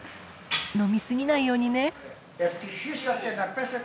飲み過ぎないようにね。